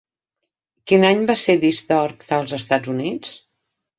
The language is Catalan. Quin any va ser disc d'or als Estats Units?